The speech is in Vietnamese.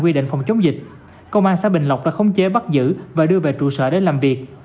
quy định phòng chống dịch công an xã bình lộc đã khống chế bắt giữ và đưa về trụ sở để làm việc